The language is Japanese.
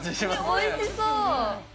おいしそう！